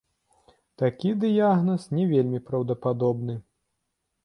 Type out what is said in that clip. Такі дыягназ не вельмі праўдападобны.